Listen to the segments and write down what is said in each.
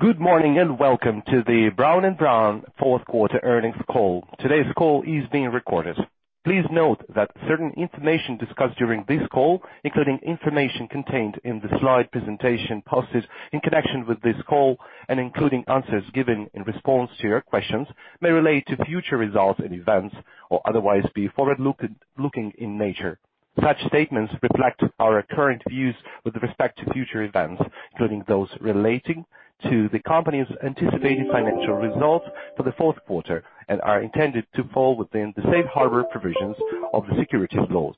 Good morning, and welcome to the Brown & Brown Fourth Quarter Earnings Call. Today's call is being recorded. Please note that certain information discussed during this call, including information contained in the slide presentation posted in connection with this call, and including answers given in response to your questions, may relate to future results and events or otherwise be forward-looking in nature. Such statements reflect our current views with respect to future events, including those relating to the company's anticipated financial results for the fourth quarter and are intended to fall within the safe harbor provisions of the securities laws.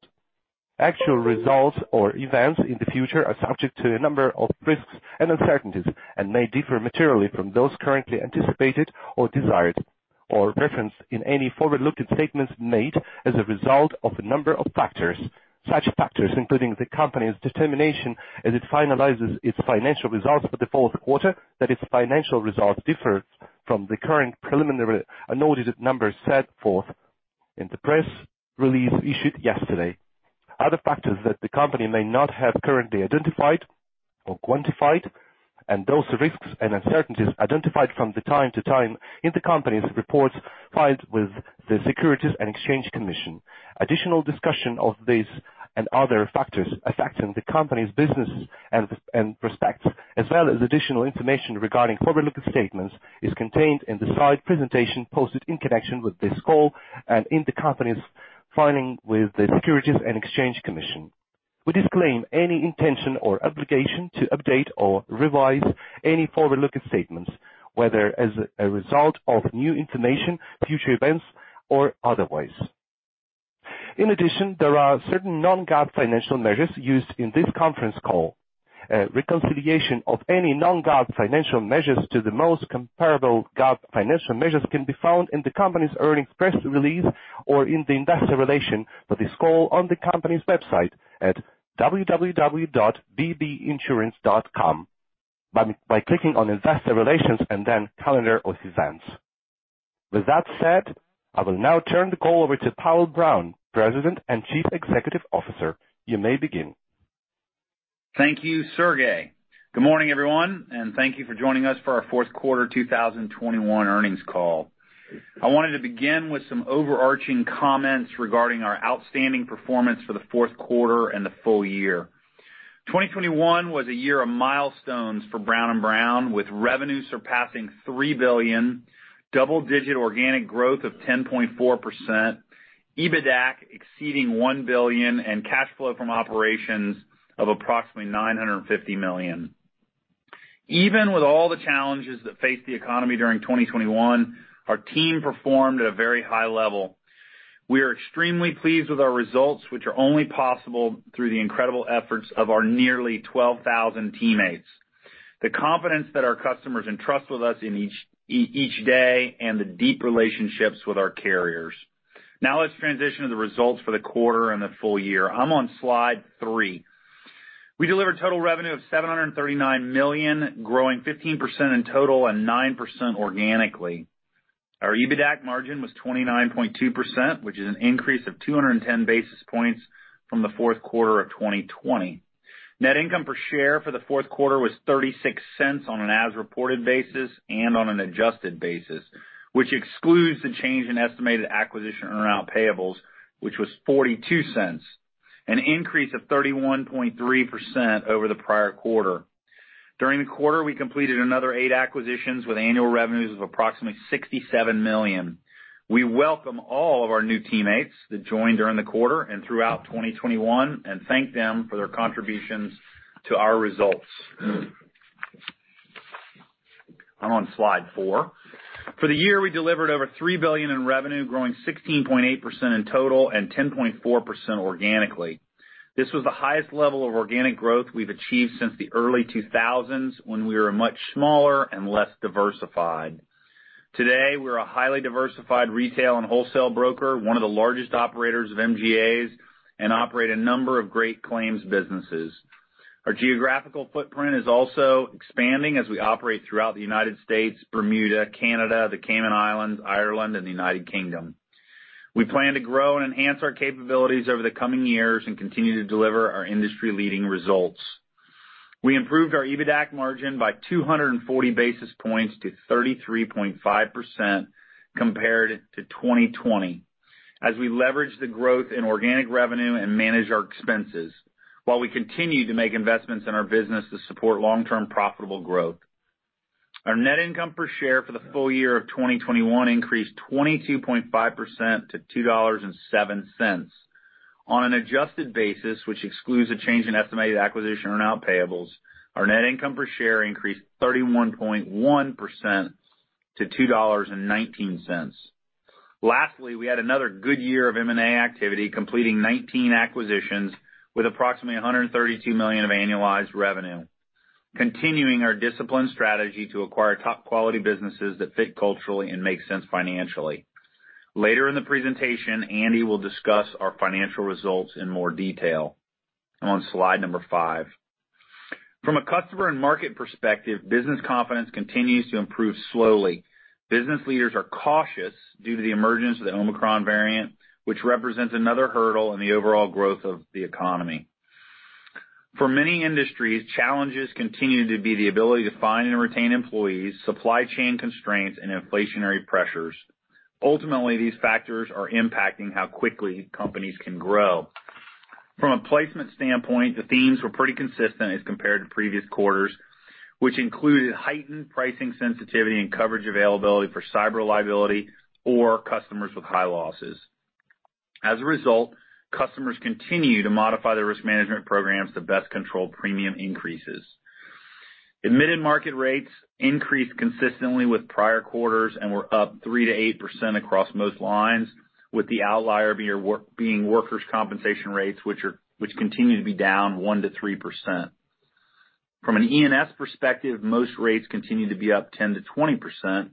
Actual results or events in the future are subject to a number of risks and uncertainties, and may differ materially from those currently anticipated or desired, or referenced in any forward-looking statements made as a result of a number of factors. Such factors including the company's determination as it finalizes its financial results for the fourth quarter, that its financial results differ from the current preliminary unaudited numbers set forth in the press release issued yesterday. Other factors that the company may not have currently identified or quantified, and those risks and uncertainties identified from time to time in the company's reports filed with the Securities and Exchange Commission. Additional discussion of these and other factors affecting the company's business and prospects, as well as additional information regarding forward-looking statements, is contained in the slide presentation posted in connection with this call and in the company's filing with the Securities and Exchange Commission. We disclaim any intention or obligation to update or revise any forward-looking statements, whether as a result of new information, future events, or otherwise. In addition, there are certain non-GAAP financial measures used in this conference call. Reconciliation of any non-GAAP financial measures to the most comparable GAAP financial measures can be found in the company's earnings press release, or in the investor relations for this call on the company's website at www.bbinsurance.com by clicking on Investor Relations and then Calendar of Events. With that said, I will now turn the call over to Powell Brown, President and Chief Executive Officer. You may begin. Thank you, Sergey. Good morning, everyone, and thank you for joining us for our Fourth Quarter 2021 Earnings Call. I wanted to begin with some overarching comments regarding our outstanding performance for the fourth quarter and the full year. 2021 was a year of milestones for Brown & Brown, with revenue surpassing $3 billion, double-digit organic growth of 10.4%, EBITDAC exceeding $1 billion, and cash flow from operations of approximately $950 million. Even with all the challenges that faced the economy during 2021, our team performed at a very high level. We are extremely pleased with our results, which are only possible through the incredible efforts of our nearly 12,000 teammates. The confidence that our customers entrust with us in each day, and the deep relationships with our carriers. Now let's transition to the results for the quarter and the full year. I'm on slide three. We delivered total revenue of $739 million, growing 15% in total and 9% organically. Our EBITDAC margin was 29.2%, which is an increase of 210 basis points from the fourth quarter of 2020. Net income per share for the fourth quarter was $0.36 on an as-reported basis and on an adjusted basis, which excludes the change in estimated acquisition earnout payables, which was $0.42, an increase of 31.3% over the prior quarter. During the quarter, we completed another eight acquisitions with annual revenues of approximately $67 million. We welcome all of our new teammates that joined during the quarter and throughout 2021, and thank them for their contributions to our results. I'm on slide four. For the year, we delivered over $3 billion in revenue, growing 16.8% in total and 10.4% organically. This was the highest level of organic growth we've achieved since the early 2000s when we were much smaller and less diversified. Today, we're a highly diversified retail and wholesale broker, one of the largest operators of MGAs, and operate a number of great claims businesses. Our geographical footprint is also expanding as we operate throughout the United States, Bermuda, Canada, the Cayman Islands, Ireland, and the United Kingdom. We plan to grow and enhance our capabilities over the coming years and continue to deliver our industry-leading results. We improved our EBITDAC margin by 240 basis points to 33.5% compared to 2020, as we leverage the growth in organic revenue and manage our expenses, while we continue to make investments in our business to support long-term profitable growth. Our net income per share for the full year of 2021 increased 22.5% to $2.07. On an adjusted basis, which excludes a change in estimated acquisition earnout payables, our net income per share increased 31.1%to $2.19. Lastly, we had another good year of M&A activity, completing 19 acquisitions with approximately $132 million of annualized revenue, continuing our disciplined strategy to acquire top quality businesses that fit culturally and make sense financially. Later in the presentation, Andy will discuss our financial results in more detail. I'm on slide number five. From a customer and market perspective, business confidence continues to improve slowly. Business leaders are cautious due to the emergence of the Omicron variant, which represents another hurdle in the overall growth of the economy. For many industries, challenges continue to be the ability to find and retain employees, supply chain constraints, and inflationary pressures. Ultimately, these factors are impacting how quickly companies can grow. From a placement standpoint, the themes were pretty consistent as compared to previous quarters, which included heightened pricing sensitivity and coverage availability for cyber liability or customers with high losses. As a result, customers continue to modify their risk management programs to best control premium increases. Admitted market rates increased consistently with prior quarters and were up 3%-8% across most lines, with the outlier being workers' compensation rates, which continue to be down 1%-3%. From an E&S perspective, most rates continue to be up 10%-20%.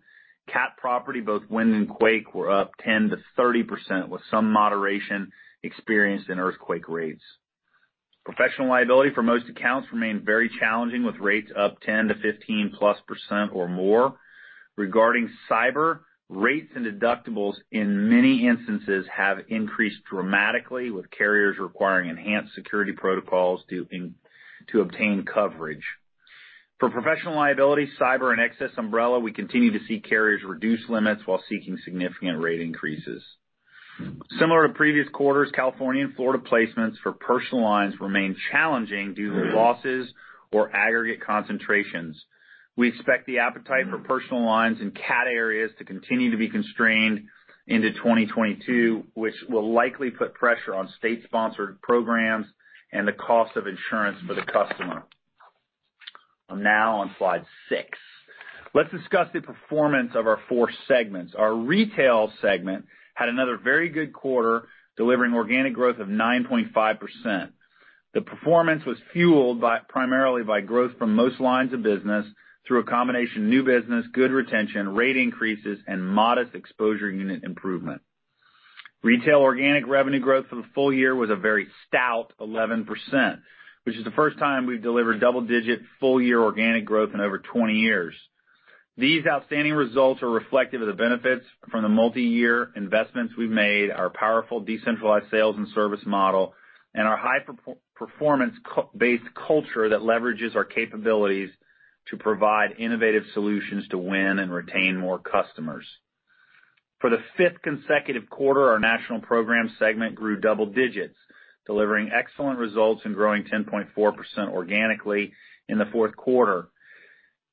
CAT property, both wind and quake, were up 10%-30%, with some moderation experienced in earthquake rates. Professional liability for most accounts remained very challenging, with rates up 10%-15%+ or more. Regarding cyber, rates and deductibles in many instances have increased dramatically, with carriers requiring enhanced security protocols to obtain coverage. For professional liability, cyber and excess umbrella, we continue to see carriers reduce limits while seeking significant rate increases. Similar to previous quarters, California and Florida placements for personal lines remain challenging due to losses or aggregate concentrations. We expect the appetite for personal lines in CAT areas to continue to be constrained into 2022, which will likely put pressure on state-sponsored programs and the cost of insurance for the customer. I'm now on slide six. Let's discuss the performance of our four segments. Our Retail segment had another very good quarter, delivering organic growth of 9.5%. The performance was fueled primarily by growth from most lines of business through a combination of new business, good retention, rate increases, and modest exposure unit improvement. Retail organic revenue growth for the full year was a very stout 11%, which is the first time we've delivered double-digit full-year organic growth in over 20 years. These outstanding results are reflective of the benefits from the multiyear investments we've made, our powerful decentralized sales and service model, and our high performance culture that leverages our capabilities to provide innovative solutions to win and retain more customers. For the fifth consecutive quarter, our national program segment grew double digits, delivering excellent results and growing 10.4% organically in the fourth quarter.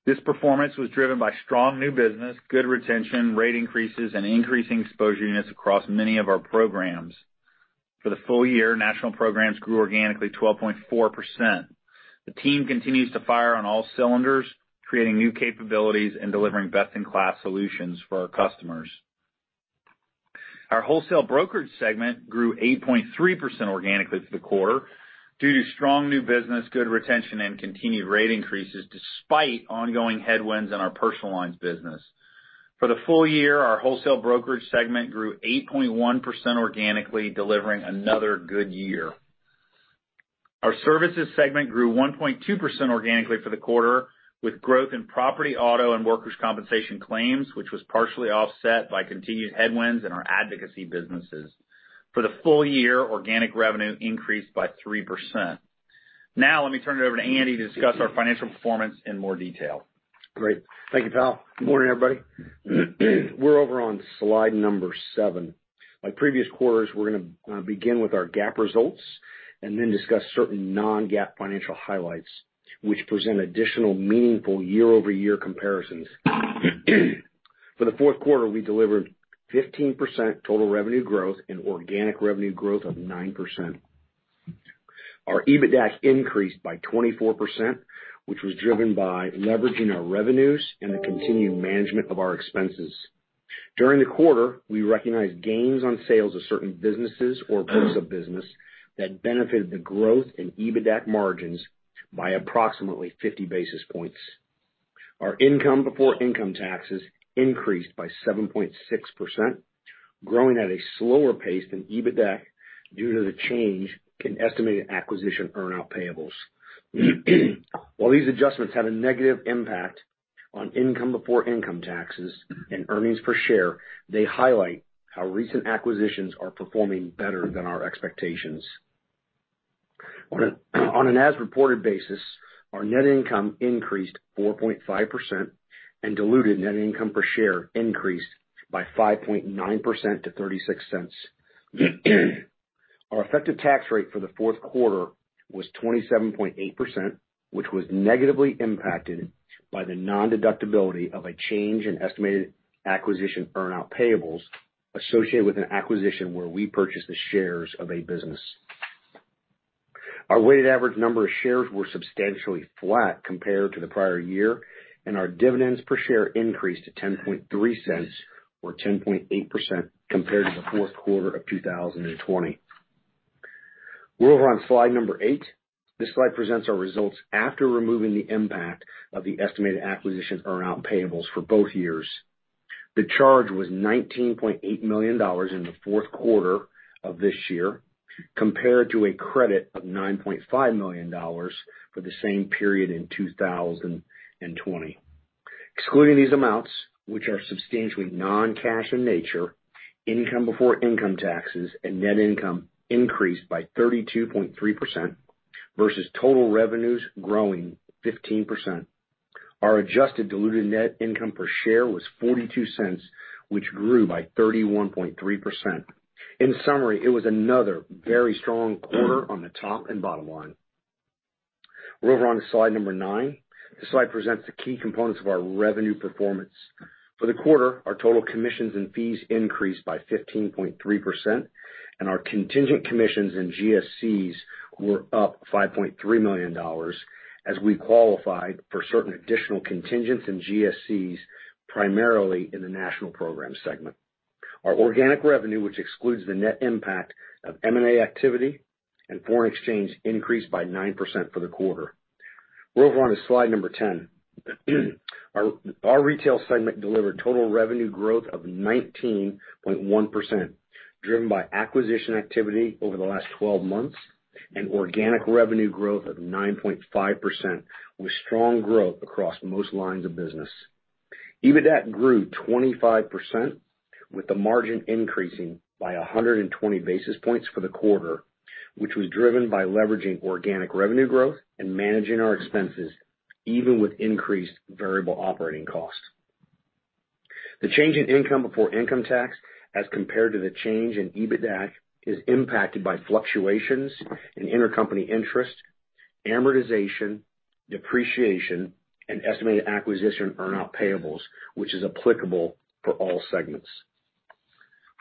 This performance was driven by strong new business, good retention, rate increases, and increasing exposure units across many of our programs. For the full year, national programs grew organically 12.4%. The team continues to fire on all cylinders, creating new capabilities and delivering best-in-class solutions for our customers. Our wholesale brokerage segment grew 8.3% organically for the quarter due to strong new business, good retention, and continued rate increases despite ongoing headwinds in our personal lines business. For the full year, our wholesale brokerage segment grew 8.1% organically, delivering another good year. Our services segment grew 1.2% organically for the quarter, with growth in property, auto, and workers' compensation claims, which was partially offset by continued headwinds in our advocacy businesses. For the full year, organic revenue increased by 3%. Now, let me turn it over to Andy to discuss our financial performance in more detail. Great. Thank you, Tom. Good morning, everybody. We're over on slide number seven. Like previous quarters, we're gonna begin with our GAAP results and then discuss certain non-GAAP financial highlights, which present additional meaningful year-over-year comparisons. For the fourth quarter, we delivered 15% total revenue growth and organic revenue growth of 9%. Our EBITDA increased by 24%, which was driven by leveraging our revenues and the continued management of our expenses. During the quarter, we recognized gains on sales of certain businesses or parts of business that benefited the growth in EBITDA margins by approximately 50 basis points. Our income before income taxes increased by 7.6%, growing at a slower pace than EBITDA due to the change in estimated acquisition earn-out payables. While these adjustments had a negative impact on income before income taxes and earnings per share, they highlight how recent acquisitions are performing better than our expectations. On an as-reported basis, our net income increased 4.5%, and diluted net income per share increased by 5.9% to $0.36. Our effective tax rate for the fourth quarter was 27.8%, which was negatively impacted by the nondeductibility of a change in estimated acquisition earnout payables associated with an acquisition where we purchased the shares of a business. Our weighted average number of shares were substantially flat compared to the prior year, and our dividends per share increased to $0.103, or 10.8% compared to the fourth quarter of 2020. We're over on slide eight. This slide presents our results after removing the impact of the estimated acquisition earnout payables for both years. The charge was $19.8 million in the fourth quarter of this year, compared to a credit of $9.5 million for the same period in 2020. Excluding these amounts, which are substantially non-cash in nature, income before income taxes and net income increased by 32.3% vs total revenues growing 15%. Our adjusted diluted net income per share was $0.42, which grew by 31.3%. In summary, it was another very strong quarter on the top and bottom line. We're over on slide nine. This slide presents the key components of our revenue performance. For the quarter, our total commissions and fees increased by 15.3%, and our contingent commissions and GSCs were up $5.3 million as we qualified for certain additional contingents and GSCs, primarily in the National Programs segment. Our organic revenue, which excludes the net impact of M&A activity and foreign exchange, increased by 9% for the quarter. We're on to slide 10. Our Retail segment delivered total revenue growth of 19.1%, driven by acquisition activity over the last 12 months and organic revenue growth of 9.5%, with strong growth across most lines of business. EBITDAC grew 25%, with the margin increasing by 120 basis points for the quarter, which was driven by leveraging organic revenue growth and managing our expenses even with increased variable operating costs. The change in income before income tax as compared to the change in EBITDAC is impacted by fluctuations in intercompany interest, amortization, depreciation, and estimated acquisition earnout payables, which is applicable for all segments.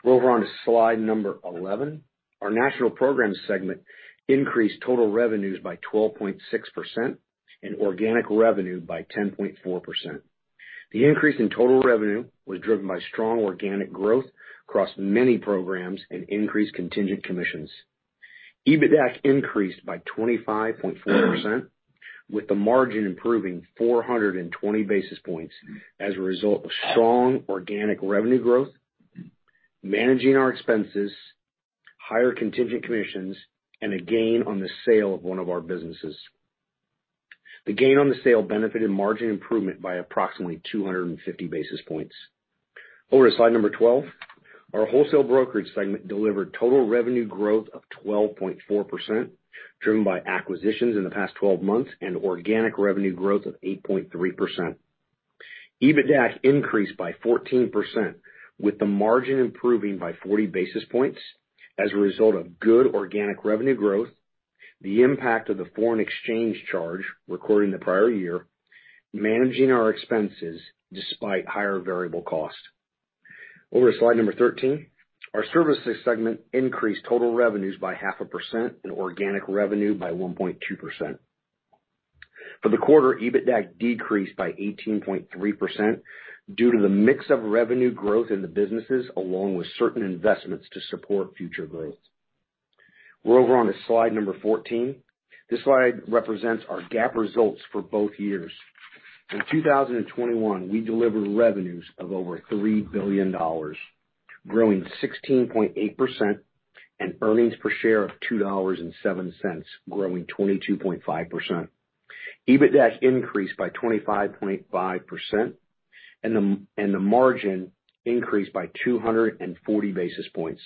We're over onto slide 11. Our National Programs segment increased total revenues by 12.6% and organic revenue by 10.4%. The increase in total revenue was driven by strong organic growth across many programs and increased contingent commissions. EBITDAC increased by 25.4%, with the margin improving 420 basis points as a result of strong organic revenue growth, managing our expenses, higher contingent commissions, and a gain on the sale of one of our businesses. The gain on the sale benefited margin improvement by approximately 250 basis points. Over to slide 12. Our wholesale brokerage segment delivered total revenue growth of 12.4%, driven by acquisitions in the past 12 months and organic revenue growth of 8.3%. EBITDAC increased by 14%, with the margin improving by 40 basis points as a result of good organic revenue growth, the impact of the foreign exchange charge recorded in the prior year, managing our expenses despite higher variable costs. Over to slide 13. Our services segment increased total revenues by 0.5% and organic revenue by 1.2%. For the quarter, EBITDAC decreased by 18.3% due to the mix of revenue growth in the businesses, along with certain investments to support future growth. We're over to slide 14. This slide represents our GAAP results for both years. In 2021, we delivered revenues of over $3 billion, growing 16.8%, and earnings per share of $2.07, growing 22.5%. EBITDAC increased by 25.5%, and the margin increased by 240 basis points.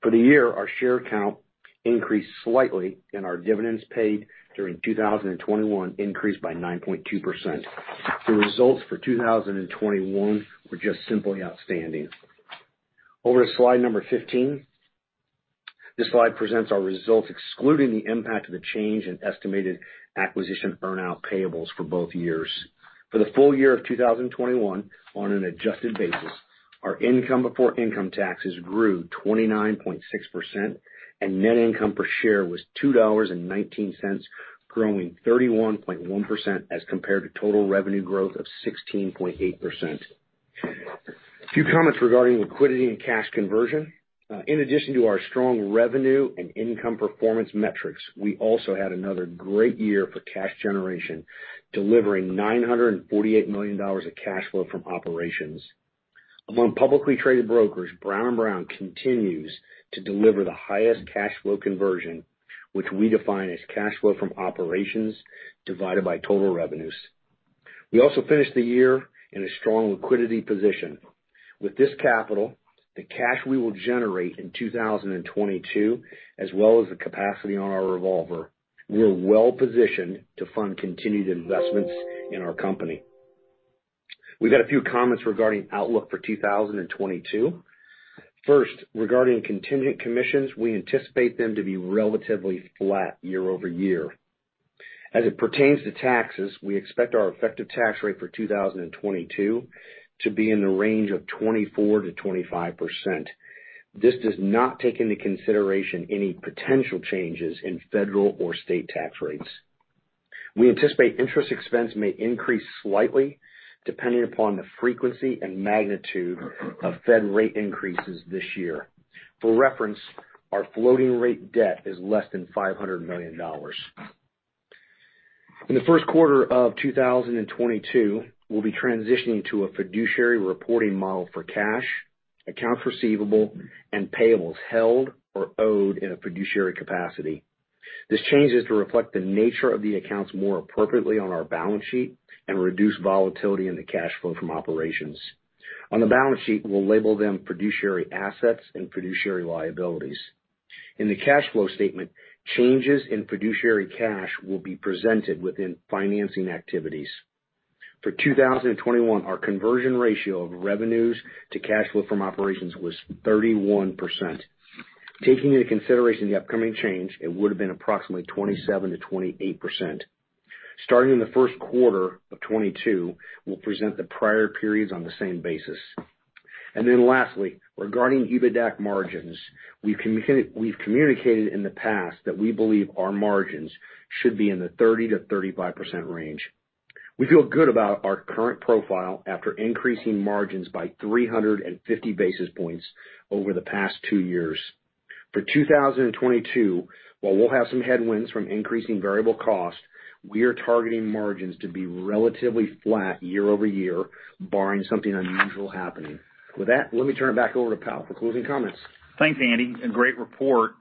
For the year, our share count increased slightly and our dividends paid during 2021 increased by 9.2%. The results for 2021 were just simply outstanding. Over to slide 15. This slide presents our results excluding the impact of the change in estimated acquisition earnout payables for both years. For the full year of 2021, on an adjusted basis, our income before income taxes grew 29.6%, and net income per share was $2.19, growing 31.1% as compared to total revenue growth of 16.8%. A few comments regarding liquidity and cash conversion. In addition to our strong revenue and income performance metrics, we also had another great year for cash generation, delivering $948 million of cash flow from operations. Among publicly traded brokers, Brown & Brown continues to deliver the highest cash flow conversion, which we define as cash flow from operations divided by total revenues. We also finished the year in a strong liquidity position. With this capital, the cash we will generate in 2022, as well as the capacity on our revolver, we're well-positioned to fund continued investments in our company. We've got a few comments regarding outlook for 2022. First, regarding contingent commissions, we anticipate them to be relatively flat year over year. As it pertains to taxes, we expect our effective tax rate for 2022 to be in the range of 24%-25%. This does not take into consideration any potential changes in federal or state tax rates. We anticipate interest expense may increase slightly, depending upon the frequency and magnitude of Fed rate increases this year. For reference, our floating rate debt is less than $500 million. In the first quarter of 2022, we'll be transitioning to a fiduciary reporting model for cash, accounts receivable, and payables held or owed in a fiduciary capacity. This change is to reflect the nature of the accounts more appropriately on our balance sheet and reduce volatility in the cash flow from operations. On the balance sheet, we'll label them fiduciary assets and fiduciary liabilities. In the cash flow statement, changes in fiduciary cash will be presented within financing activities. For 2021, our conversion ratio of revenues to cash flow from operations was 31%. Taking into consideration the upcoming change, it would have been approximately 27%-28%. Starting in the first quarter of 2022, we'll present the prior periods on the same basis. Lastly, regarding EBITDAC margins, we've communicated in the past that we believe our margins should be in the 30%-35% range. We feel good about our current profile after increasing margins by 350 basis points over the past two years. For 2022, while we'll have some headwinds from increasing variable costs, we are targeting margins to be relatively flat year-over-year, barring something unusual happening. With that, let me turn it back over to Powell for closing comments. Thanks, Andy, a great report.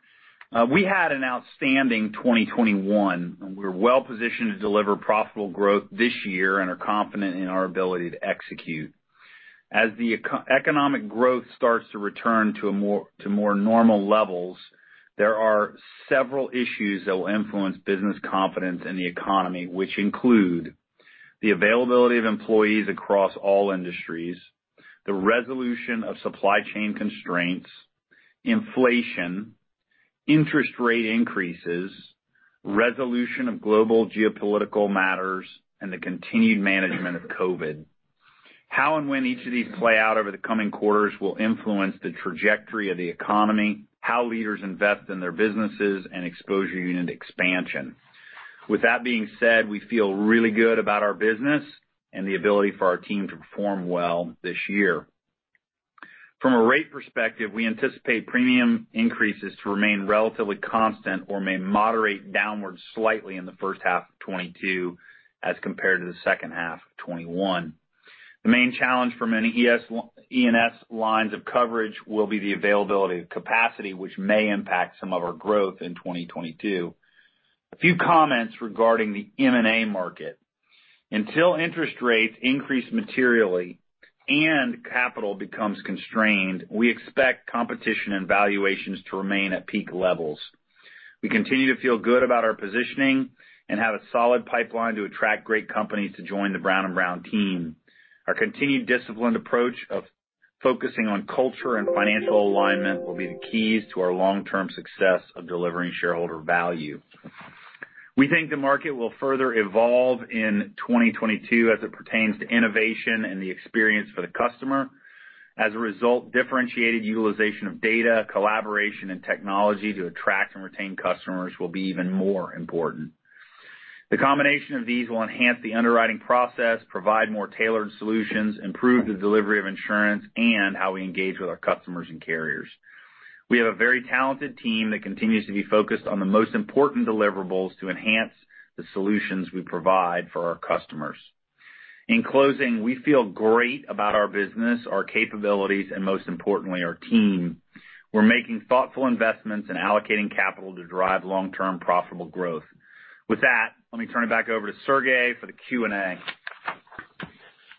We had an outstanding 2021, and we're well-positioned to deliver profitable growth this year and are confident in our ability to execute. As the economic growth starts to return to more normal levels, there are several issues that will influence business confidence in the economy, which include the availability of employees across all industries, the resolution of supply chain constraints, inflation, interest rate increases, resolution of global geopolitical matters, and the continued management of COVID. How and when each of these play out over the coming quarters will influence the trajectory of the economy, how leaders invest in their businesses, and exposure unit expansion. With that being said, we feel really good about our business and the ability for our team to perform well this year. From a rate perspective, we anticipate premium increases to remain relatively constant or may moderate downward slightly in the first half of 2022 as compared to the second half of 2021. The main challenge for many E&S lines of coverage will be the availability of capacity, which may impact some of our growth in 2022. A few comments regarding the M&A market. Until interest rates increase materially and capital becomes constrained, we expect competition and valuations to remain at peak levels. We continue to feel good about our positioning and have a solid pipeline to attract great companies to join the Brown & Brown team. Our continued disciplined approach of focusing on culture and financial alignment will be the keys to our long-term success of delivering shareholder value. We think the market will further evolve in 2022 as it pertains to innovation and the experience for the customer. As a result, differentiated utilization of data, collaboration, and technology to attract and retain customers will be even more important. The combination of these will enhance the underwriting process, provide more tailored solutions, improve the delivery of insurance, and how we engage with our customers and carriers. We have a very talented team that continues to be focused on the most important deliverables to enhance the solutions we provide for our customers. In closing, we feel great about our business, our capabilities, and most importantly, our team. We're making thoughtful investments and allocating capital to drive long-term profitable growth. With that, let me turn it back over to Sergey for the Q&A.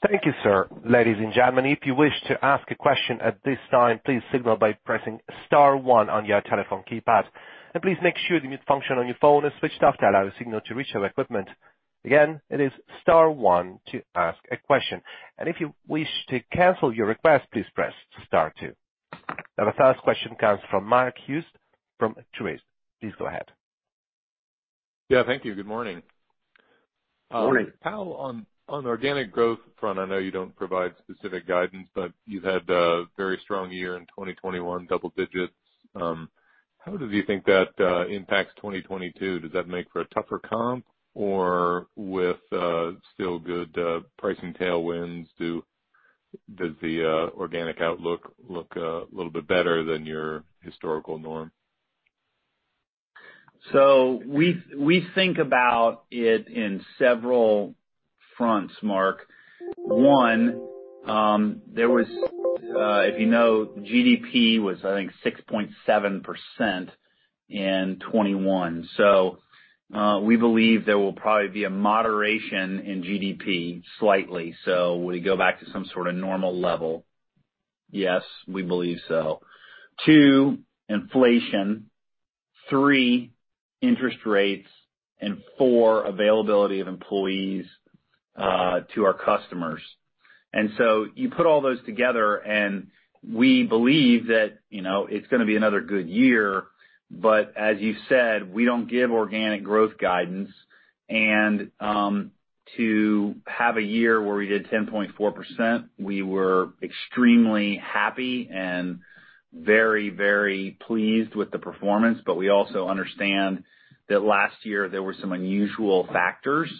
Thank you, sir. Ladies and gentlemen, if you wish to ask a question at this time, please signal by pressing star one on your telephone keypad. Please make sure the mute function on your phone is switched off to allow a signal to reach our equipment. Again, it is star one to ask a question. If you wish to cancel your request, please press star two. Now the first question comes from Mark Hughes from Truist. Please go ahead. Yeah, thank you. Good morning. Morning. Powell, on organic growth front, I know you don't provide specific guidance, but you've had a very strong year in 2021, double digits. How do you think that impacts 2022? Does that make for a tougher comp? With still good pricing tailwinds, does the organic outlook look a little bit better than your historical norm? We think about it in several fronts, Mark. One, if you know, GDP was, I think, 6.7% in 2021. We believe there will probably be a moderation in GDP slightly. Will it go back to some sort of normal level? Yes, we believe so. Two, inflation. Three, interest rates. Four, availability of employees to our customers. You put all those together, and we believe that, you know, it's gonna be another good year. As you said, we don't give organic growth guidance. To have a year where we did 10.4%, we were extremely happy and very, very pleased with the performance. We also understand that last year there were some unusual factors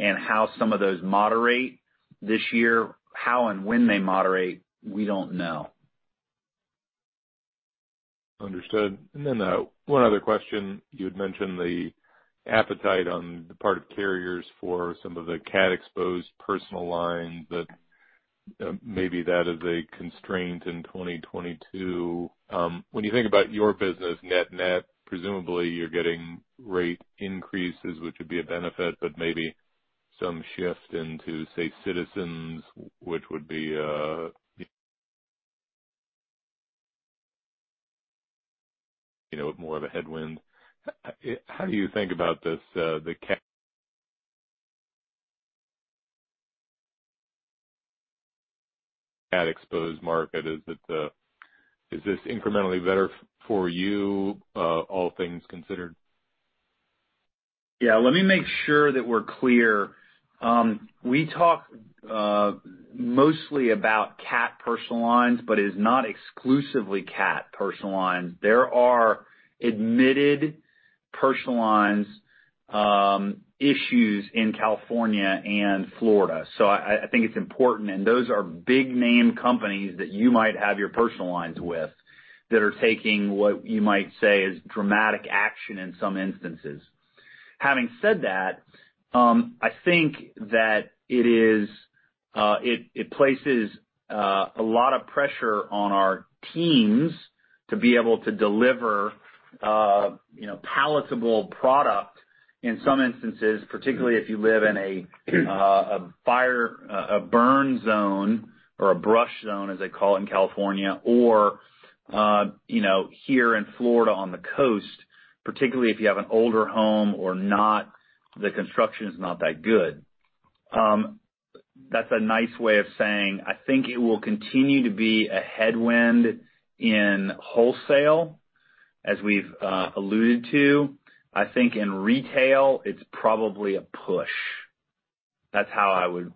and how some of those moderate this year, how and when they moderate, we don't know. Understood. One other question. You had mentioned the appetite on the part of carriers for some of the CAT-exposed personal lines. Maybe that is a constraint in 2022. When you think about your business net-net, presumably you're getting rate increases, which would be a benefit. Maybe some shift into, say, Citizens, which would be a, you know, more of a headwind. How do you think about this, the CAT-exposed market? Is this incrementally better for you, all things considered? Yeah. Let me make sure that we're clear. We talk mostly about CAT personal lines, but it is not exclusively CAT personal lines. There are admitted personal lines issues in California and Florida. I think it's important, and those are big name companies that you might have your personal lines with, that are taking what you might say is dramatic action in some instances. Having said that, I think that it is, it places a lot of pressure on our teams to be able to deliver, you know, palatable product in some instances, particularly if you live in a fire, a burn zone or a brush zone as they call it in California, or you know, here in Florida on the coast, particularly if you have an older home or not, the construction is not that good. That's a nice way of saying I think it will continue to be a headwind in wholesale, as we've alluded to. I think in retail it's probably a push. That's how I would.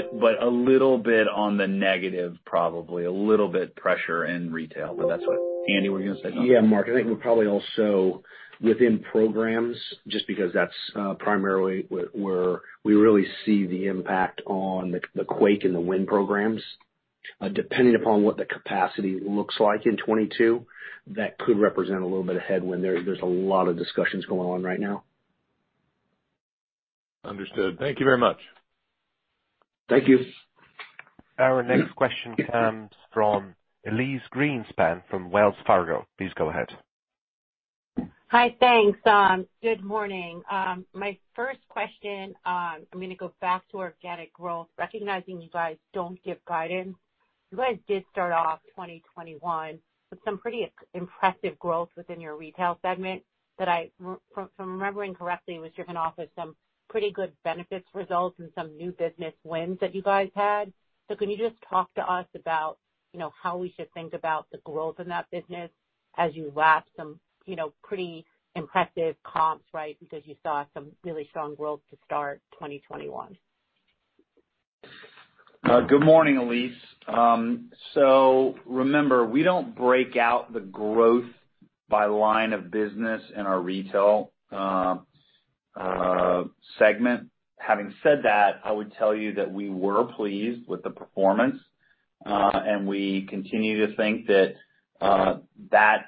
A little bit on the negative, probably. A little bit pressure in retail. That's what. Andy, were you gonna say nothing? Yeah, Mark, I think we're probably also within programs just because that's primarily where we really see the impact on the quake and the wind programs. Depending upon what the capacity looks like in 2022, that could represent a little bit of headwind. There's a lot of discussions going on right now. Understood. Thank you very much. Thank you. Our next question comes from Elyse Greenspan from Wells Fargo. Please go ahead. Hi. Thanks, good morning. My first question, I'm gonna go back to organic growth, recognizing you guys don't give guidance. You guys did start off 2021 with some pretty impressive growth within your retail segment that, from remembering correctly, was driven by some pretty good benefits results and some new business wins that you guys had. Can you just talk to us about, you know, how we should think about the growth in that business as you lap some, you know, pretty impressive comps, right? Because you saw some really strong growth to start 2021. Good morning, Elyse. Remember, we don't break out the growth by line of business in our retail segment. Having said that, I would tell you that we were pleased with the performance, and we continue to think that that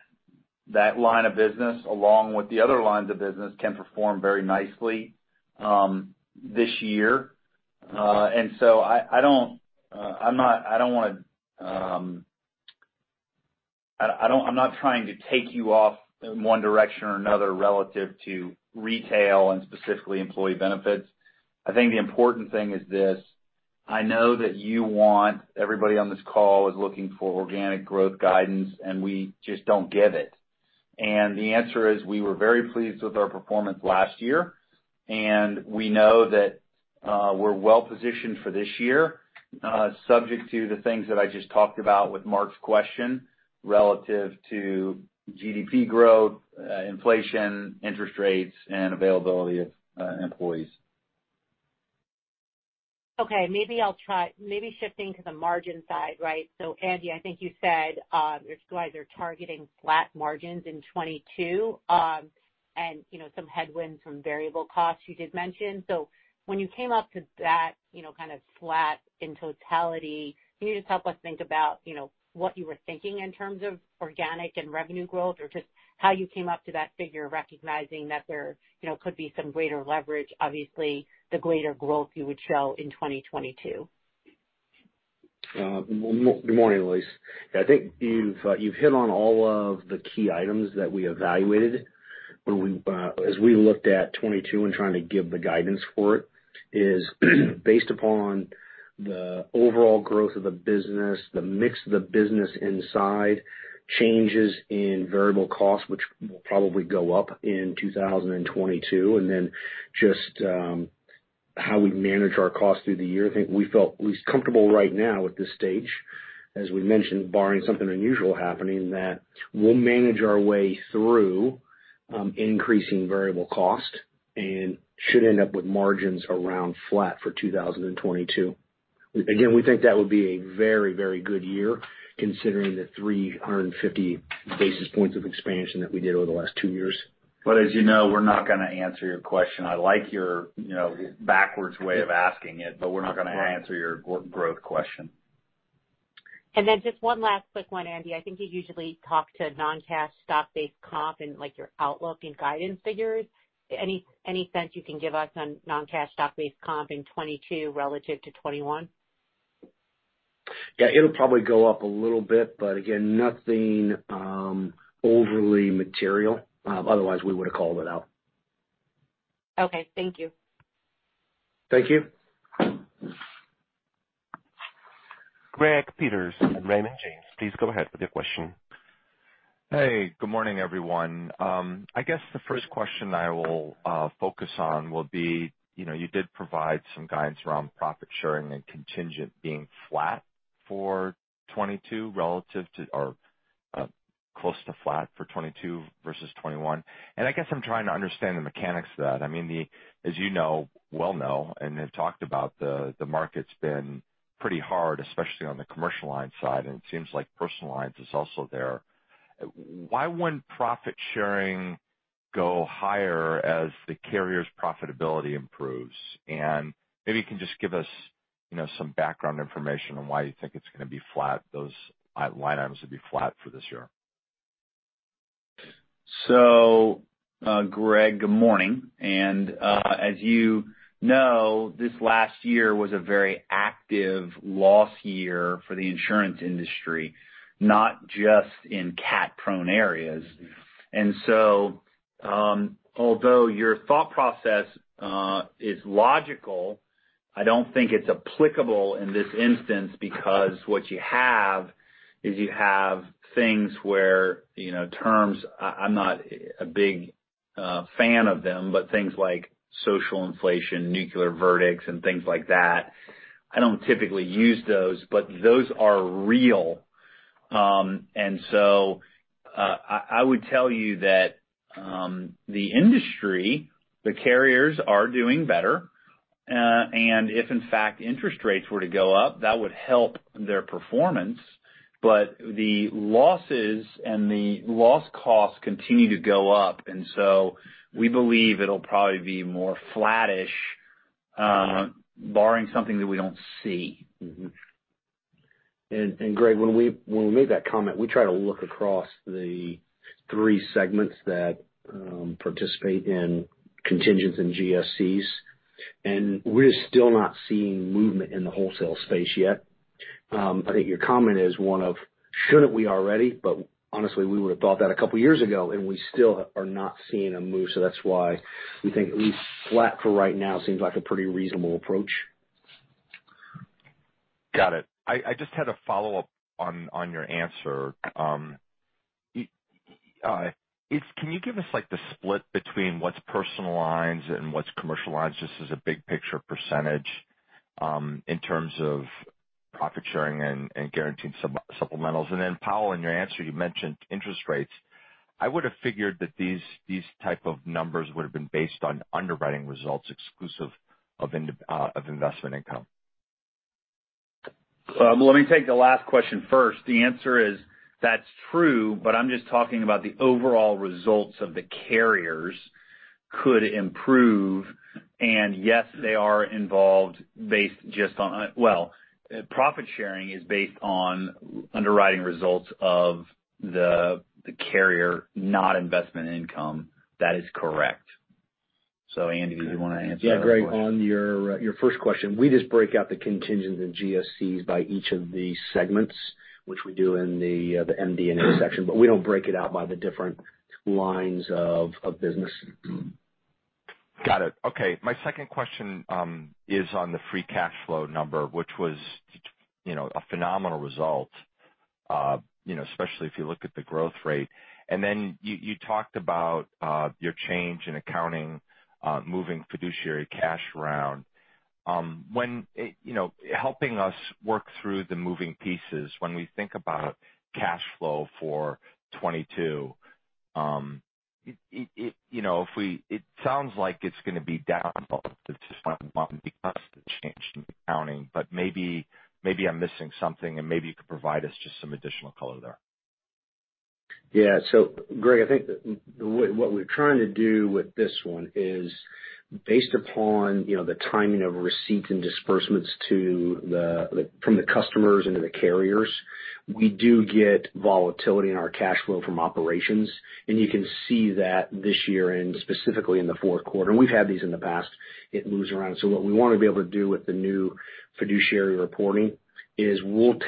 line of business along with the other lines of business can perform very nicely this year. I'm not trying to take you off in one direction or another relative to retail and specifically employee benefits. I think the important thing is this. I know that you want, everybody on this call is looking for organic growth guidance, and we just don't give it. The answer is, we were very pleased with our performance last year, and we know that, we're well positioned for this year, subject to the things that I just talked about with Mark's question relative to GDP growth, inflation, interest rates, and availability of employees. Okay, maybe I'll try shifting to the margin side, right? Andy, I think you said you guys are targeting flat margins in 2022. You know, some headwinds from variable costs you did mention. When you came up to that kind of flat in totality, can you just help us think about what you were thinking in terms of organic and revenue growth? Or just how you came up to that figure, recognizing that there you know could be some greater leverage, obviously, the greater growth you would show in 2022. Morning, Elyse. I think you've hit on all of the key items that we evaluated when we, as we looked at 2022 and trying to give the guidance for it, is based upon the overall growth of the business, the mix of the business inside, changes in variable costs, which will probably go up in 2022. Then just how we manage our costs through the year. I think we felt at least comfortable right now at this stage, as we mentioned, barring something unusual happening, that we'll manage our way through increasing variable cost and should end up with margins around flat for 2022. Again, we think that would be a very, very good year considering the 350 basis points of expansion that we did over the last two years. As you know, we're not gonna answer your question. I like your, you know, backwards way of asking it, but we're not gonna answer your growth question. Just one last quick one, Andy. I think you usually talk to non-cash stock-based comp in, like, your outlook and guidance figures. Any sense you can give us on non-cash stock-based comp in 2022 relative to 2021? Yeah, it'll probably go up a little bit, but again, nothing overly material. Otherwise we would've called it out. Okay. Thank you. Thank you. Greg Peters at Raymond James, please go ahead with your question. Hey, good morning, everyone. I guess the first question I will focus on will be, you know, you did provide some guidance around profit sharing and contingent being flat for 2022 relative to close to flat for 2022 vs 2021. I guess I'm trying to understand the mechanics of that. I mean, as you well know and have talked about, the market's been pretty hard, especially on the commercial line side, and it seems like personal lines is also there. Why wouldn't profit sharing go higher as the carrier's profitability improves? Maybe you can just give us, you know, some background information on why you think it's gonna be flat, those line items will be flat for this year. Greg, good morning. As you know, this last year was a very active loss year for the insurance industry, not just in cat-prone areas. Although your thought process is logical, I don't think it's applicable in this instance because what you have is you have things where, you know, terms, I'm not a big fan of them, but things like social inflation, nuclear verdicts and things like that, I don't typically use those, but those are real. I would tell you that the industry, the carriers are doing better. If in fact interest rates were to go up, that would help their performance. The losses and the loss costs continue to go up, and we believe it'll probably be more flattish, barring something that we don't see. Greg Peters, when we make that comment, we try to look across the three segments that participate in contingents and GSCs. We're still not seeing movement in the wholesale space yet. I think your comment is one of, shouldn't we already? Honestly, we would've thought that a couple years ago, and we still are not seeing a move. That's why we think at least flat for right now seems like a pretty reasonable approach. Got it. I just had a follow-up on your answer. It's can you give us, like, the split between what's personal lines and what's commercial lines, just as a big picture percentage, in terms of profit sharing and guaranteed supplementals? Powell, in your answer you mentioned interest rates. I would have figured that these type of numbers would have been based on underwriting results exclusive of investment income. Let me take the last question first. The answer is that's true, but I'm just talking about the overall results of the carriers could improve. Yes, they are involved based just on well, profit sharing is based on underwriting results of the carrier, not investment income. That is correct. Andy, did you want to answer that as well? Yeah. Greg, on your first question, we just break out the contingents and GSCs by each of the segments, which we do in the MD&A section, but we don't break it out by the different lines of business. Got it. Okay. My second question is on the free cash flow number, which was, you know, a phenomenal result, you know, especially if you look at the growth rate. You talked about your change in accounting, moving fiduciary cash around. Helping us work through the moving pieces when we think about cash flow for 2022, it sounds like it's gonna be down both,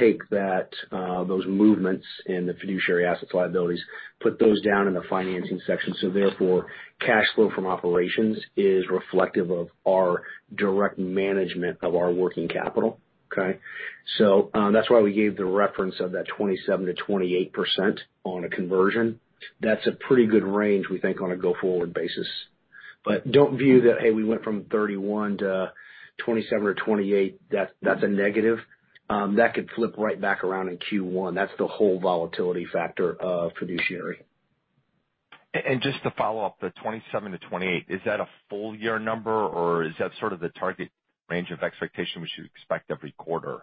and just to follow up the 27%-28%, is that a full year number, or is that sort of the target range of expectation, which you expect every quarter?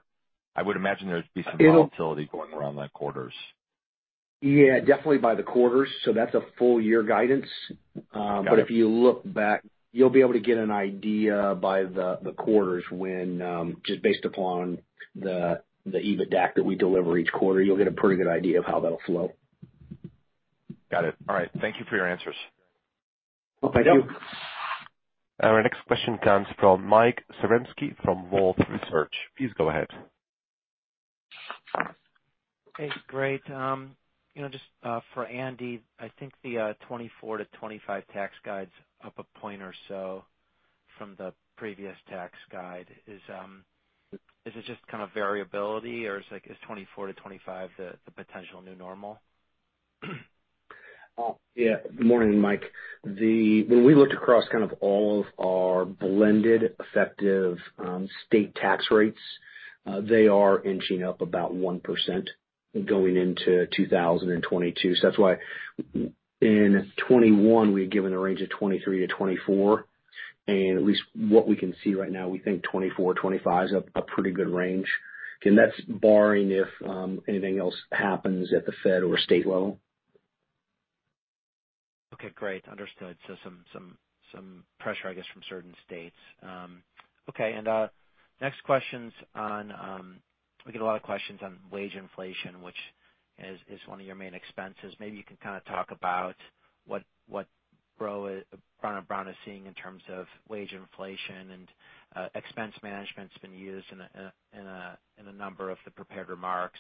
I would imagine there'd be some volatility going around the quarters. Yeah, definitely by the quarters. That's a full year guidance. If you look back, you'll be able to get an idea by the quarters, just based upon the EBITDAC that we deliver each quarter, you'll get a pretty good idea of how that'll flow. Got it. All right. Thank you for your answers. Okay. Thank you. Our next question comes from Mike Zaremski from Wolfe Research. Please go ahead. Okay, great. You know, just for Andy, I think the 24%-25% tax rate's up a point or so from the previous tax rate. Is it just kind of variability or is like, is 24%-25% the potential new normal? Well, yeah. Good morning, Mike. When we looked across kind of all of our blended effective state tax rates, they are inching up about 1% going into 2022. That's why in 2021, we had given a range of 23%-24%, and at least what we can see right now, we think 24%-25% is a pretty good range. Again, that's barring if anything else happens at the Fed or state level. Okay, great. Understood. Some pressure, I guess, from certain states. Next question's on we get a lot of questions on wage inflation, which is one of your main expenses. Maybe you can kind of talk about what Brown & Brown is seeing in terms of wage inflation and expense management's been used in a number of the prepared remarks.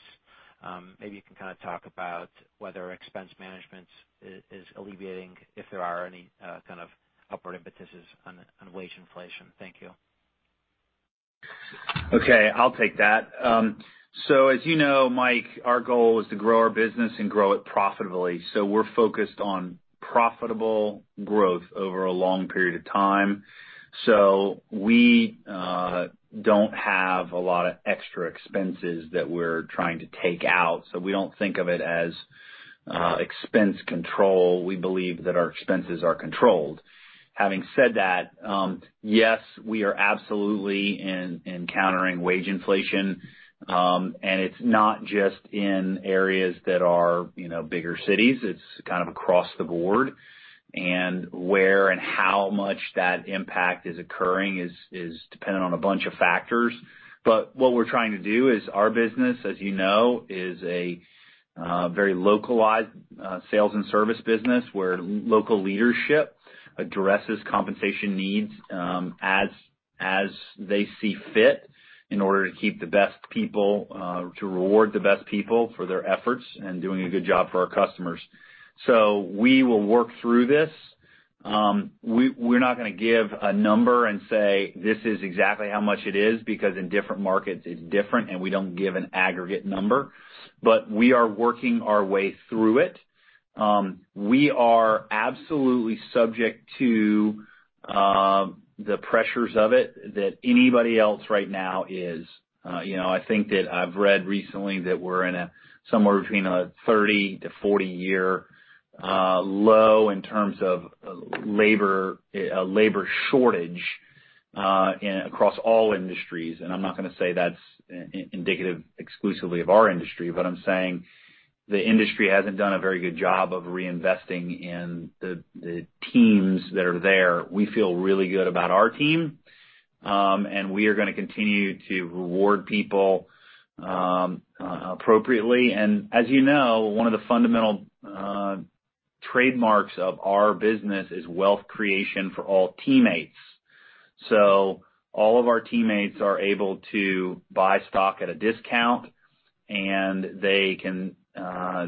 Maybe you can kind of talk about whether expense management is alleviating if there are any kind of upward impetuses on wage inflation. Thank you. Okay. I'll take that. As you know, Mike, our goal is to grow our business and grow it profitably. We're focused on profitable growth over a long period of time. We don't have a lot of extra expenses that we're trying to take out, so we don't think of it as expense control. We believe that our expenses are controlled. Having said that, yes, we are absolutely encountering wage inflation, and it's not just in areas that are, you know, bigger cities. It's kind of across the board. Where and how much that impact is occurring is dependent on a bunch of factors. What we're trying to do is our business, as you know, is a very localized sales and service business, where local leadership addresses compensation needs, as they see fit in order to keep the best people to reward the best people for their efforts in doing a good job for our customers. We will work through this. We're not gonna give a number and say, "This is exactly how much it is," because in different markets, it's different, and we don't give an aggregate number. We are working our way through it. We are absolutely subject to the pressures of it that anybody else right now is. You know, I think that I've read recently that we're in somewhere between a 30- to 40-year low in terms of labor, a labor shortage in across all industries. I'm not gonna say that's indicative exclusively of our industry, but I'm saying the industry hasn't done a very good job of reinvesting in the teams that are there. We feel really good about our team, and we are gonna continue to reward people appropriately. As you know, one of the fundamental trademarks of our business is wealth creation for all teammates. All of our teammates are able to buy stock at a discount, and they can,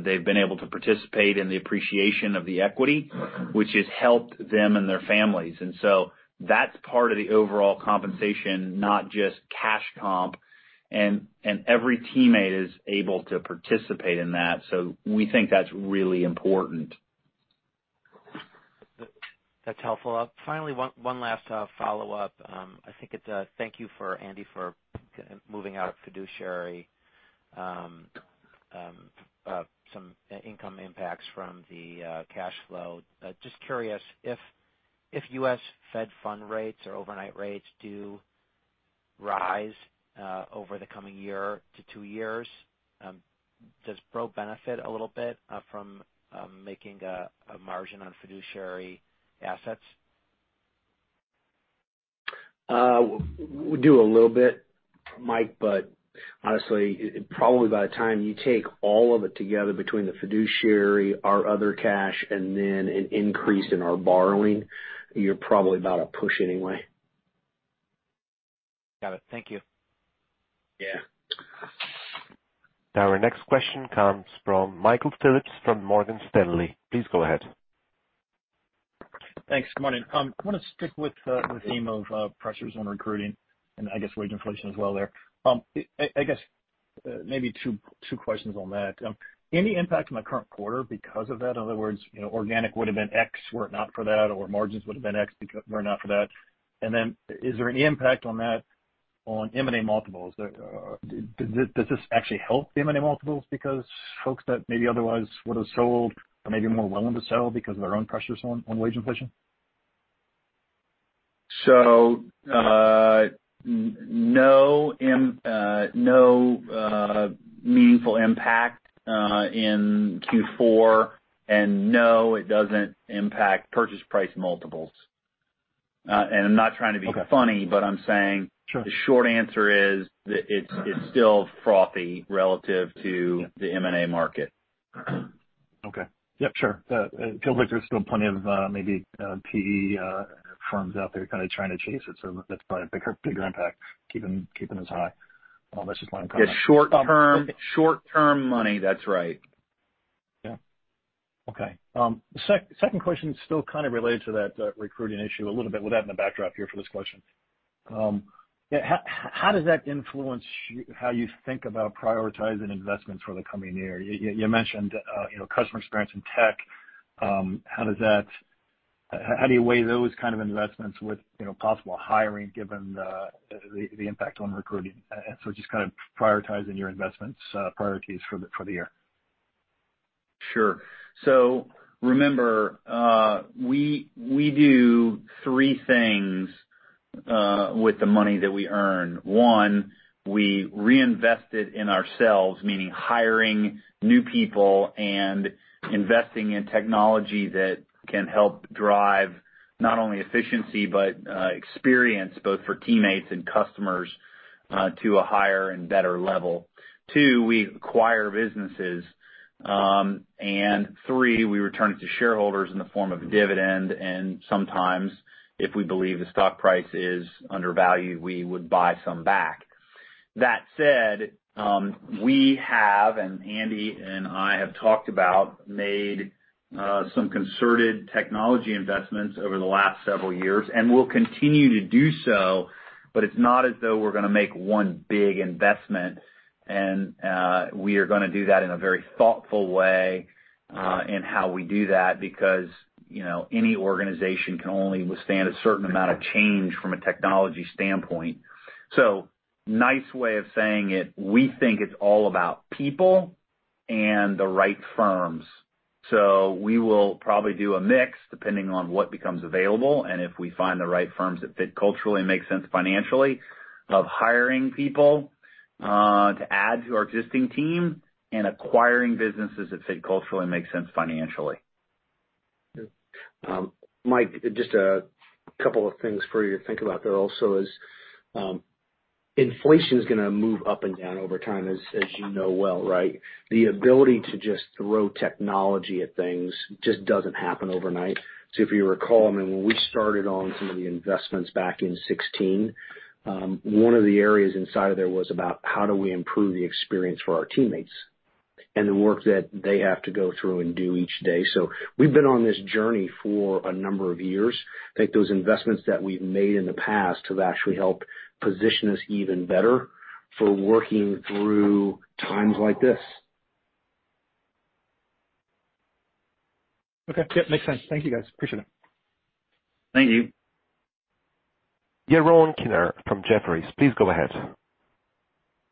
they've been able to participate in the appreciation of the equity, which has helped them and their families. That's part of the overall compensation, not just cash comp, and every teammate is able to participate in that. We think that's really important. That's helpful. Finally, one last follow-up. Thank you, Andy, for calling out fiduciary income impacts from the cash flow. Just curious if U.S. Fed Funds rates or overnight rates do rise over the coming year to two years, does BRO benefit a little bit from making a margin on fiduciary assets? We do a little bit, Mike, but honestly, it probably by the time you take all of it together, between the fiduciary, our other cash, and then an increase in our borrowing, you're probably about a push anyway. Got it. Thank you. Yeah. Now, our next question comes from Michael Phillips from Morgan Stanley. Please go ahead. Thanks. Good morning. I wanna stick with the theme of pressures on recruiting and I guess wage inflation as well there. I guess maybe two questions on that. Any impact on the current quarter because of that? In other words, you know, organic would've been X were it not for that, or margins would've been X were it not for that. Is there any impact on that on M&A multiples? Does this actually help the M&A multiples because folks that maybe otherwise would've sold are maybe more willing to sell because of their own pressures on wage inflation? No meaningful impact in Q4, and no, it doesn't impact purchase price multiples. I'm not trying to be funny. Okay. I'm saying. Sure The short answer is that it's still frothy relative to the M&A market. Okay. Yep, sure. It feels like there's still plenty of maybe PE firms out there kind of trying to chase it, so that's probably a bigger impact keeping us high. I just wanted to comment. It's short term money. That's right. Yeah. Okay. Second question still kind of related to that, recruiting issue a little bit. With that in the backdrop here for this question, how does that influence how you think about prioritizing investments for the coming year? You mentioned, you know, customer experience and tech. How does that. How do you weigh those kind of investments with, you know, possible hiring, given the impact on recruiting? Just kind of prioritizing your investments, priorities for the year. Sure. Remember, we do three things with the money that we earn. One, we reinvest it in ourselves, meaning hiring new people and investing in technology that can help drive not only efficiency, but experience both for teammates and customers to a higher and better level. Two, we acquire businesses. Three, we return it to shareholders in the form of dividend. Sometimes, if we believe the stock price is undervalued, we would buy some back. That said, we have and Andy and I have talked about made some concerted technology investments over the last several years, and we'll continue to do so, but it's not as though we're gonna make one big investment. We are gonna do that in a very thoughtful way in how we do that because, you know, any organization can only withstand a certain amount of change from a technology standpoint. Nice way of saying it, we think it's all about people and the right firms. We will probably do a mix depending on what becomes available, and if we find the right firms that fit culturally and make sense financially of hiring people to add to our existing team and acquiring businesses that fit culturally and make sense financially. Mike, just a couple of things for you to think about there. Also, inflation is gonna move up and down over time, as you know well, right? The ability to just throw technology at things just doesn't happen overnight. If you recall, I mean, when we started on some of the investments back in 2016, one of the areas inside of there was about how do we improve the experience for our teammates and the work that they have to go through and do each day. We've been on this journey for a number of years. I think those investments that we've made in the past have actually helped position us even better for working through times like this. Okay. Yep, makes sense. Thank you, guys. Appreciate it. Thank you. Yeah. Yaron Kinar from Jefferies, please go ahead.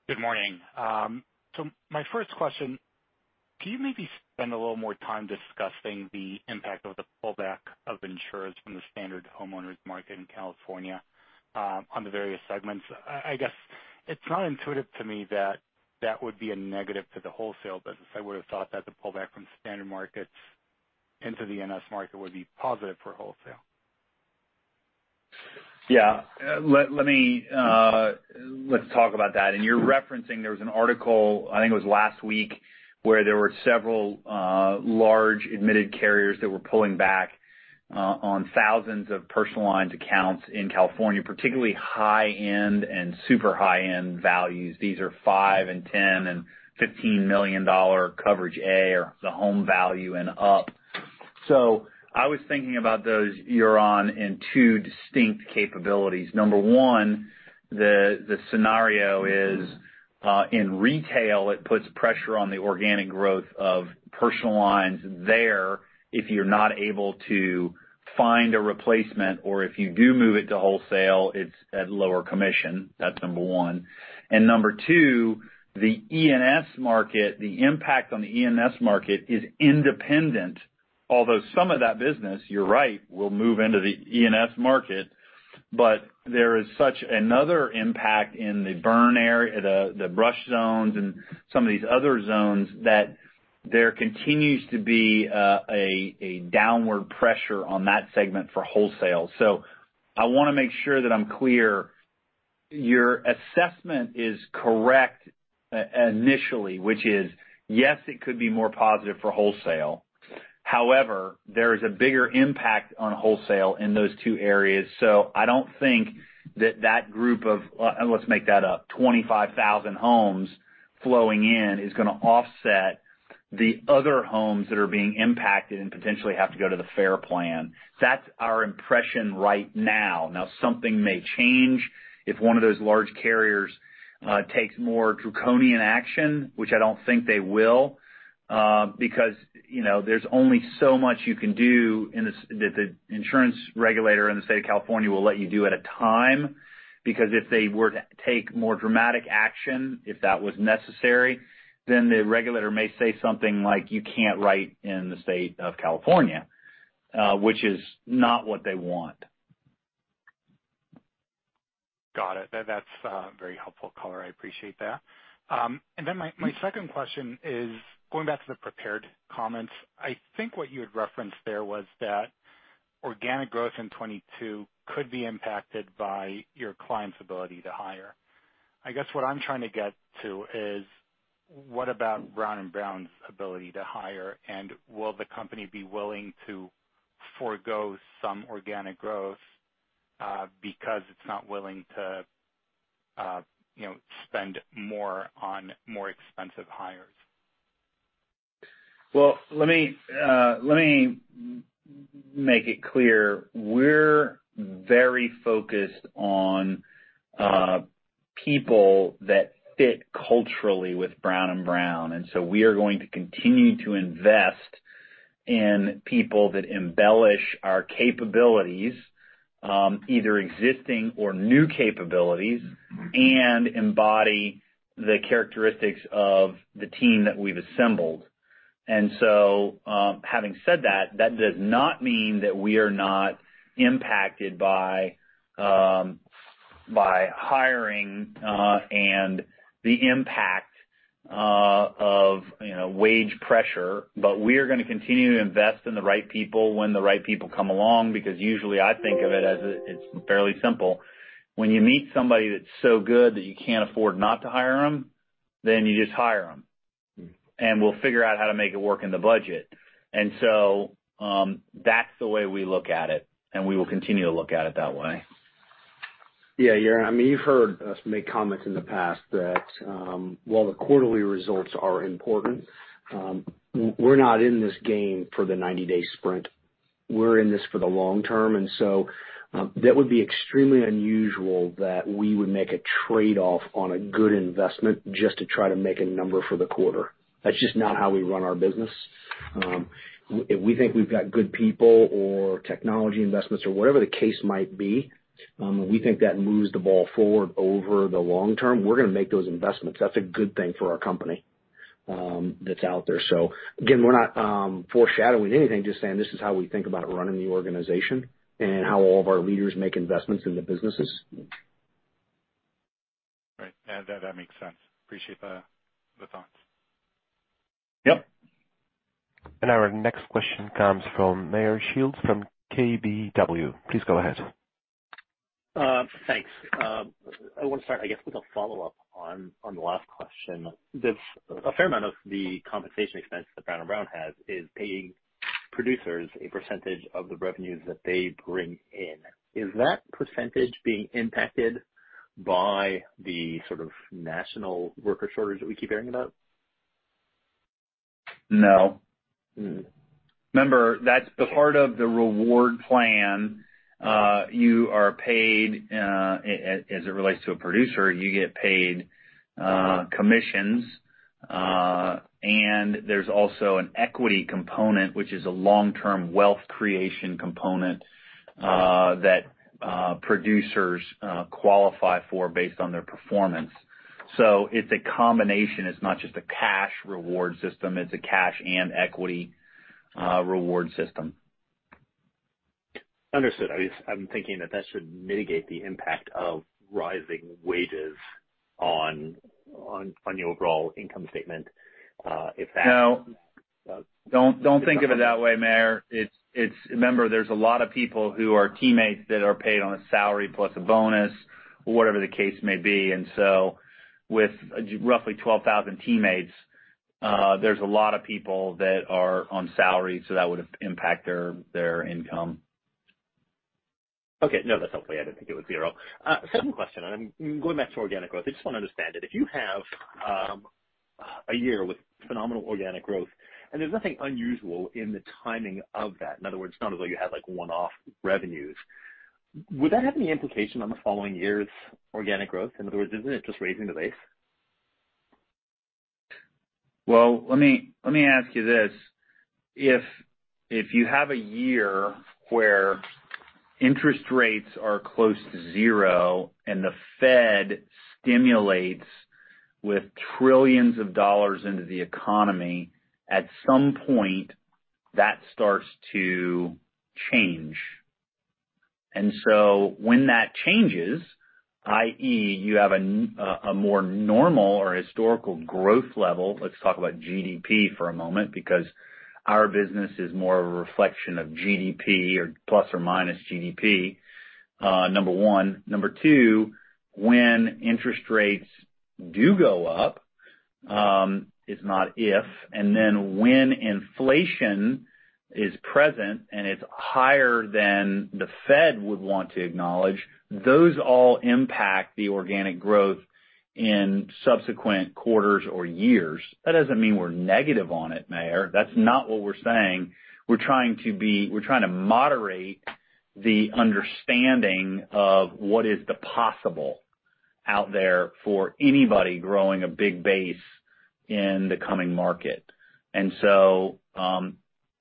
Good morning. My first question, can you maybe spend a little more time discussing the impact of the pullback of insurers from the standard homeowners market in California, on the various segments? I guess it's not intuitive to me that that would be a negative to the wholesale business. I would have thought that the pullback from standard markets into the E&S market would be positive for wholesale. Yeah. Let's talk about that. You're referencing there was an article, I think it was last week, where there were several large admitted carriers that were pulling back on thousands of personal lines accounts in California, particularly high-end and super high-end values. These are $5 million, $10 million, and $15 million coverage A or the home value and up. I was thinking about those, Yaron, in two distinct capabilities. Number one, the scenario is in retail, it puts pressure on the organic growth of personal lines there if you're not able to find a replacement, or if you do move it to wholesale, it's at lower commission. That's number one. Number two, the E&S market, the impact on the E&S market is independent. Although some of that business, you're right, will move into the E&S market, but there is such another impact in the burn area, the brush zones and some of these other zones, that there continues to be a downward pressure on that segment for wholesale. I want to make sure that I'm clear. Your assessment is correct initially, which is, yes, it could be more positive for wholesale. However, there is a bigger impact on wholesale in those two areas. I don't think that group of, let's make that up, 25,000 homes flowing in is gonna offset the other homes that are being impacted and potentially have to go to the FAIR Plan. That's our impression right now. Now, something may change if one of those large carriers takes more draconian action, which I don't think they will, because, you know, there's only so much you can do and that the insurance regulator in the state of California will let you do at a time. Because if they were to take more dramatic action, if that was necessary, then the regulator may say something like, "You can't write in the state of California," which is not what they want. That's very helpful color. I appreciate that. My second question is going back to the prepared comments. I think what you had referenced there was that organic growth in 2022 could be impacted by your clients' ability to hire. I guess what I'm trying to get to is what about Brown & Brown's ability to hire, and will the company be willing to forgo some organic growth, because it's not willing to, you know, spend more on more expensive hires? Well, let me make it clear. We're very focused on people that fit culturally with Brown & Brown, and so we are going to continue to invest in people that embellish our capabilities, either existing or new capabilities, and embody the characteristics of the team that we've assembled. Having said that does not mean that we are not impacted by hiring and the impact of, you know, wage pressure. We are gonna continue to invest in the right people when the right people come along, because usually I think of it as it's fairly simple. When you meet somebody that's so good that you can't afford not to hire them, you just hire them. We'll figure out how to make it work in the budget. That's the way we look at it, and we will continue to look at it that way. Yeah, I mean, you've heard us make comments in the past that, while the quarterly results are important, we're not in this game for the 90-day sprint. We're in this for the long term. That would be extremely unusual that we would make a trade-off on a good investment just to try to make a number for the quarter. That's just not how we run our business. If we think we've got good people or technology investments or whatever the case might be, and we think that moves the ball forward over the long term, we're gonna make those investments. That's a good thing for our company, that's out there. We're not foreshadowing anything, just saying this is how we think about running the organization and how all of our leaders make investments in the businesses. Right. That makes sense. Appreciate the thoughts. Yep. Our next question comes from Meyer Shields from KBW. Please go ahead. Thanks. I wanna start, I guess, with a follow-up on the last question. A fair amount of the compensation expense that Brown & Brown has is paying producers a percentage of the revenues that they bring in. Is that percentage being impacted by the sort of national worker shortage that we keep hearing about? No. Mm-hmm. Remember, that's the part of the reward plan. You are paid, as it relates to a producer, you get paid commissions. There's also an equity component, which is a long-term wealth creation component, that producers qualify for based on their performance. It's a combination. It's not just a cash reward system, it's a cash and equity reward system. Understood. I just I'm thinking that should mitigate the impact of rising wages on your overall income statement, if that No. Oh. Don't think of it that way, Meyer. It's. Remember, there's a lot of people who are teammates that are paid on a salary plus a bonus or whatever the case may be. With roughly 12,000 teammates, there's a lot of people that are on salary, so that would impact their income. Okay. No, that's helpful. I didn't think it was zero. Second question, and I'm going back to organic growth. I just wanna understand it. If you have a year with phenomenal organic growth, and there's nothing unusual in the timing of that, in other words, it's not as though you had, like, one-off revenues, would that have any implication on the following year's organic growth? In other words, isn't it just raising the base? Well, let me ask you this. If you have a year where interest rates are close to zero and the Fed stimulates with trillions of dollars into the economy, at some point, that starts to change. When that changes, i.e., you have a more normal or historical growth level, let's talk about GDP for a moment because our business is more a reflection of GDP or plus or minus GDP, number one. Number two, when interest rates do go up, it's not if, and then when inflation is present and it's higher than the Fed would want to acknowledge, those all impact the organic growth in subsequent quarters or years. That doesn't mean we're negative on it, Meyer. That's not what we're saying. We're trying to moderate the understanding of what is the possible out there for anybody growing a big base in the coming market.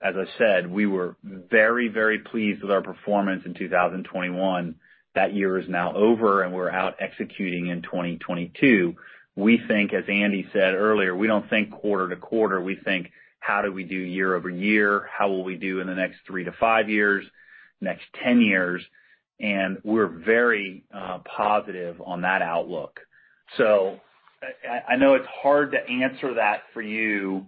As I said, we were very pleased with our performance in 2021. That year is now over and we're out executing in 2022. We think, as Andy said earlier, we don't think quarter to quarter. We think how do we do year-over-year? How will we do in the next three to five years, 10 years? We're very positive on that outlook. I know it's hard to answer that for you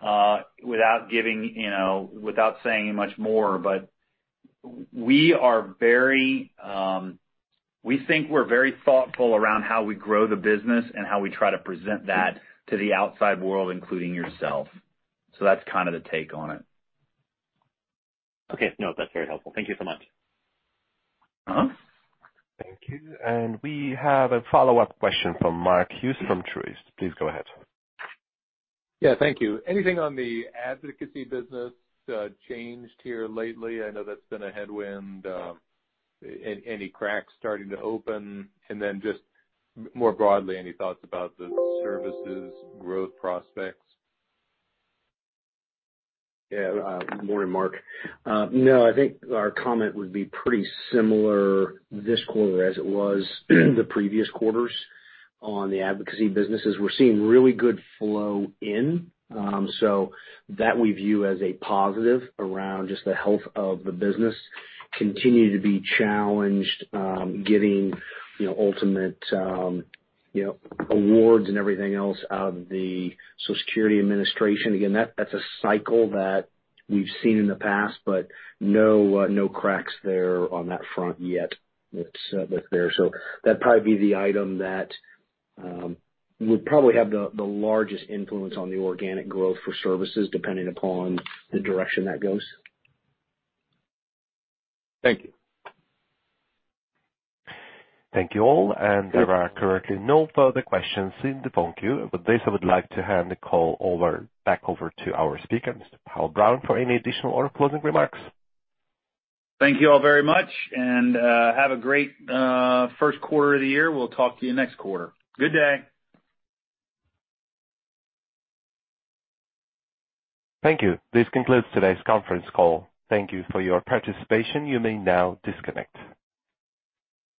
without giving, you know, without saying much more, but we are very. We think we're very thoughtful around how we grow the business and how we try to present that to the outside world, including yourself. That's kinda the take on it. Okay. No, that's very helpful. Thank you so much. Uh-huh. Thank you. We have a follow-up question from Mark Hughes from Truist. Please go ahead. Yeah. Thank you. Anything on the advocacy business changed here lately? I know that's been a headwind. Any cracks starting to open? Just more broadly, any thoughts about the services growth prospects? Yeah. Good morning, Mark. No, I think our comment would be pretty similar this quarter as it was the previous quarters on the advocacy businesses. We're seeing really good flow in, so that we view as a positive around just the health of the business. Continue to be challenged getting you know ultimate you know awards and everything else out of the Social Security Administration. Again, that's a cycle that we've seen in the past, but no cracks there on that front yet that's there. That'd probably be the item that would probably have the largest influence on the organic growth for services depending upon the direction that goes. Thank you. Thank you all. There are currently no further questions in the phone queue. With this, I would like to hand the call back over to our speaker, Mr. Powell Brown, for any additional or closing remarks. Thank you all very much and have a great first quarter of the year. We'll talk to you next quarter. Good day. Thank you. This concludes today's conference call. Thank you for your participation. You may now disconnect.